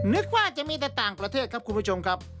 นึกว่าจะมีแต่ต่างประเทศครับคุณผู้ชมครับ